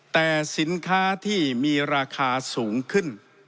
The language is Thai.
แต่สินค้าที่มีราคาสูงขึ้น